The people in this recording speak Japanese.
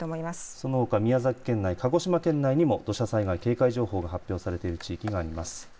そのほか宮崎県内、鹿児島県内にも土砂災害警戒情報が発表される地域があります。